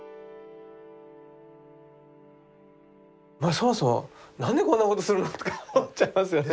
まあそもそも「何でこんなことするの？」とか思っちゃいますよね。